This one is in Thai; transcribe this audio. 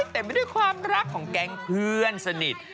เต็มไปด้วยความรักของแก๊งเพื่อนสนิท